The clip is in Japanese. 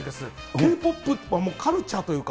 Ｋ−ＰＯＰはカルチャーというか。